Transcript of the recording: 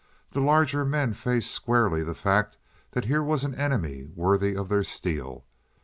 The larger men faced squarely the fact that here was an enemy worthy of their steel.